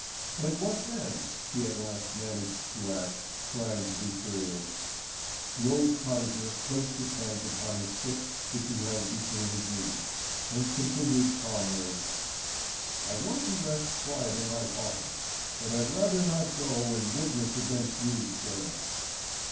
"And what then?" he at last managed to ask, trying to be serious. The old cottager placed his hands upon his stick which he held between his knees, and continued calmly: "I want to rest quiet in my coffin; but I'd rather not go and witness against you, sir."